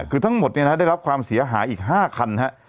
คือทั้งหมดเนี่ยนะฮะได้รับความเสียหาอีกห้าคันนะฮะ